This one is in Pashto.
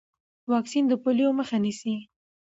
واکسین د پولیو مخه نیسي۔